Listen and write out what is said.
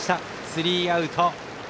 スリーアウト。